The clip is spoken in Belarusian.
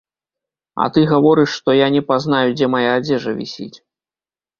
А ты гаворыш, што я не пазнаю, дзе мая адзежа вісіць.